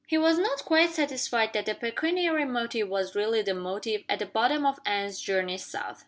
He was not quite satisfied that the pecuniary motive was really the motive at the bottom of Anne's journey south.